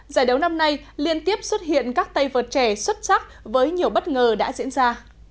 giải đấu năm nay liên tiếp xuất hiện các tay vợt trẻ xuất sắc với nhiều bất ngờ đã diễn ra